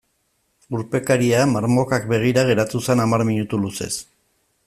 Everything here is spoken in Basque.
Urpekaria marmokak begira geratu zen hamar minutu luzez.